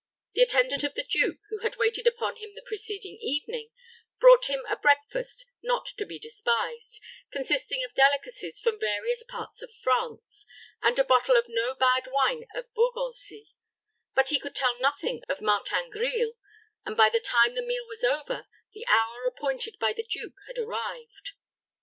The attendant of the duke, who had waited upon him the preceding evening, brought him a breakfast not to be despised, consisting of delicacies from various parts of France, and a bottle of no bad wine of Beaugency; but he could tell nothing of Martin Grille, and by the time the meal was over, the hour appointed by the duke had arrived.